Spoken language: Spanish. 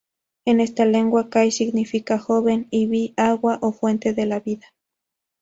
En esta lengua cay significa joven y "bi", agua o fuente de la vida.